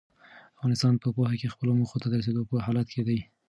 افغانستان په پوهنه کې خپلو موخو ته د رسېدو په حال کې دی.